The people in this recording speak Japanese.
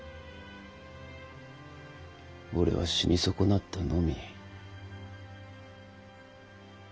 俺は死に損なったのみ。